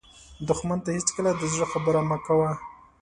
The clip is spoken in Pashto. دښمن ته هېڅکله د زړه خبره مه کوه